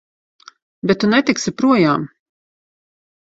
Bet tu netiksi projām!